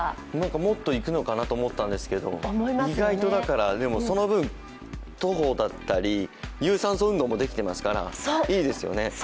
もっといくのかなと思いましたけど意外と、でもその分、徒歩だったり有酸素運動もできてますからいいですよね。